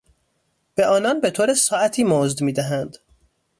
به آنان به طور ساعتی مزد میدهند.